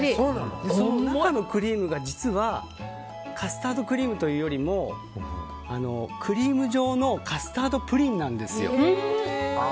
中のクリームが実はカスタードクリームというよりもクリーム状のカスタードプリンなんですよ。